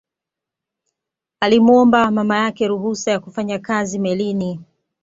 Alimuomba mama yake ruhusa ya kufanya kazi melini